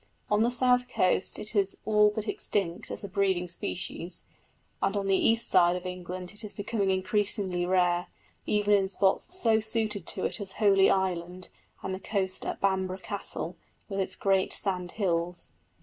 On the south coast it is all but extinct as a breeding species, and on the east side of England it is becoming increasingly rare, even in spots so well suited to it as Holy Island, and the coast at Bamborough Castle, with its great sand hills.